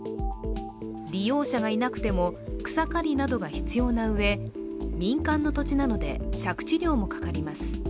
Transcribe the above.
利用者がいなくても草刈りなどが必要なうえ、民間の土地なので借地料もかかります。